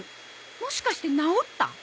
もしかして直った？